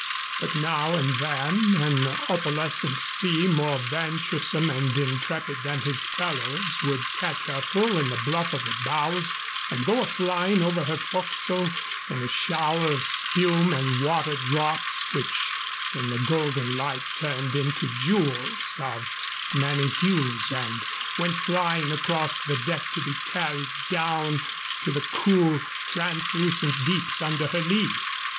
But now and then an opalescent sea, more venturesome and intrepid than his fellows, would catch her full in the bluff of the bows and go a flying over her forecastle in a shower of spume and water drops, which in the golden light turned into jewels of many hues and went flying across the deck to be carried down to the cool, translucent deeps under her lee.